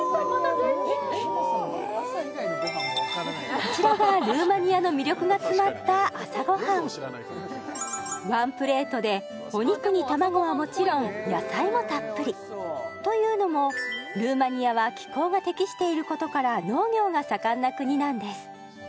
こちらがルーマニアの魅力が詰まった朝ごはんワンプレートでお肉に卵はもちろん野菜もたっぷり！というのもルーマニアは気候が適していることから農業が盛んな国なんです